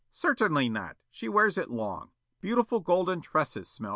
"Certainly not. She wears it long. Beautiful golden tresses, Smilk.